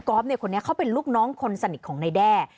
ก๊อฟข้อเป็นลูกน้องคนสนิทของในแด่